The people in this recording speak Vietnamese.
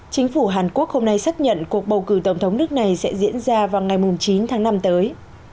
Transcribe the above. chính phủ hàn quốc hôm nay xác nhận cuộc bầu cử tổng thống nước này sẽ diễn ra vào ngày chín tháng năm tới